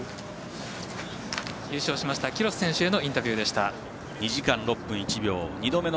優勝しましたキロス選手へのインタビューでした。